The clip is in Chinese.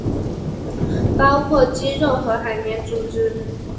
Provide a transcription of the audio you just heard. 包括肌肉和海绵组织。